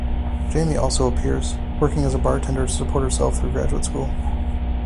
Jamie also appears, working as a bartender to support herself through graduate school.